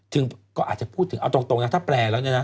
ก็อาจจะพูดถึงเอาตรงนะถ้าแปลแล้วเนี่ยนะ